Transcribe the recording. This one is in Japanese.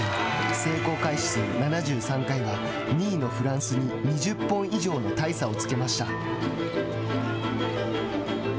成功回数７３回は２位のフランスに２０本以上の大差をつけました。